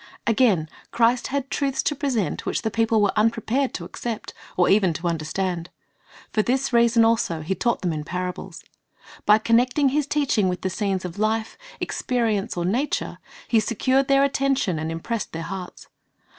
Again, Christ had truths to present which the people were unprepared to accept, or even to understand. For this reason also He taught them in parables. By connecting His teaching with the scenes of life, experience, or nature. He secured their attention and impressed their hearts.